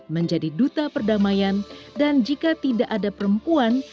menjadi duta perdamaian dan jika tidak ada perempuan